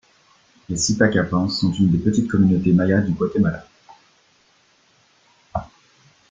Les Sipakapenses sont une des petites communautés mayas du Guatemala.